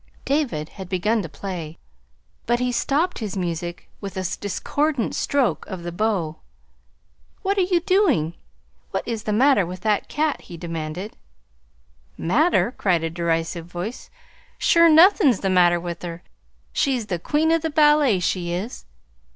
David had begun to play, but he stopped his music with a discordant stroke of the bow. "What are you doing? What is the matter with that cat?" he demanded. "'Matter'!" called a derisive voice. "Sure, nothin' 's the matter with her. She's the Queen o' the Ballet she is!"